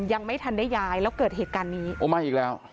ยังไม่ทันได้ย้ายแล้วเกิดเหตุการณ์นี้โอ้มาอีกแล้ว